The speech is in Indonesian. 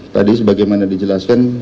tadi sebagaimana dijelaskan